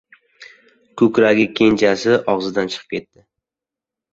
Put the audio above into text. Ko‘kragi kenjasi og‘zidan chiqib ketdi.